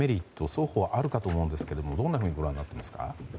双方あると思うんですがどんなふうにご覧になっていますか？